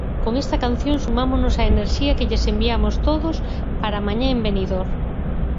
Con esta canción sumámonos á enerxía que lles enviamos todos para mañá en Benidorm.